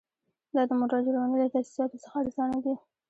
دا د موټر جوړونې له تاسیساتو څخه ارزانه دي